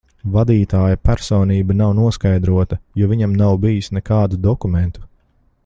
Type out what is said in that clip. Vadītāja personība nav noskaidrota, jo viņam nav bijis nekādu dokumentu.